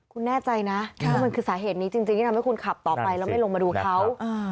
คุณแน่ใจนะว่ามันคือสาเหตุนี้จริงที่ทำให้คุณขับต่อไปแล้วไม่ลงมาดูเขา